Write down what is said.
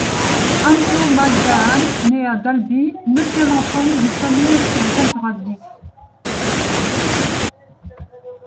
Andrew McGahan naît à Dalby, neuvième enfant d'une famille qui en comptera dix.